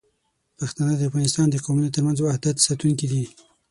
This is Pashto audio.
پښتانه د افغانستان د قومونو ترمنځ وحدت ساتونکي دي.